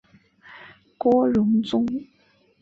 郭荣宗。